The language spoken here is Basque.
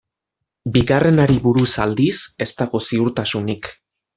Bigarrenari buruz, aldiz, ez dago ziurtasunik.